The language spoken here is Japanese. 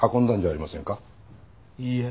いいえ。